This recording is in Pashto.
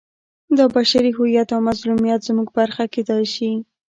دا بشري هویت او مظلومیت زموږ برخه کېدای شي.